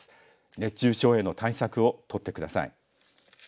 熱中症への対策を取ってください。